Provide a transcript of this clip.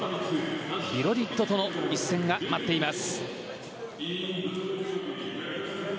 ビロディッドとの一戦が待っています。